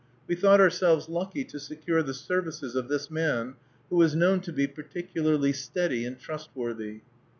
We thought ourselves lucky to secure the services of this man, who was known to be particularly steady and trustworthy.